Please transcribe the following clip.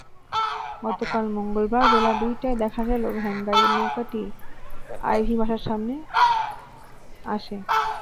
গতকাল মঙ্গলবার বেলা দুইটায় দেখা গেল, ভ্যানগাড়ির নৌকাটি আইভীর বাসার সামনে আসে।